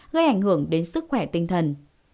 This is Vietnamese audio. gây ảnh hưởng đến sức khỏe tinh thần